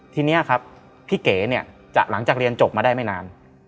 ทีนี้ครับพี่เก๋เนี่ยหลังจากเรียนจบมาได้ไม่นาน